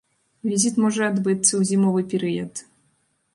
Візіт можа адбыцца ў зімовы перыяд.